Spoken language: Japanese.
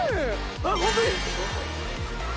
あっ本当に？